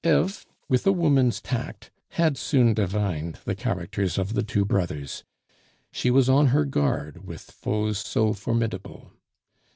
Eve, with a woman's tact, had soon divined the characters of the two brothers; she was on her guard with foes so formidable.